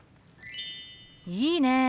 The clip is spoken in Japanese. いいね！